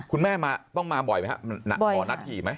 คุณแม่ต้องมาบ่อยไหมครับหมอนัดถี่ไหม